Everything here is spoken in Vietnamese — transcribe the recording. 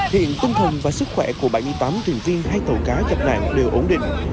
hiện tâm thần và sức khỏe của bảy mươi tám thuyền viên hai tàu cá gặp nạn đều ổn định